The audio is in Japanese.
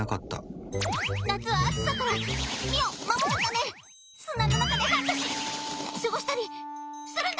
夏は暑さから身を守るため砂の中で半年過ごしたりするんだ。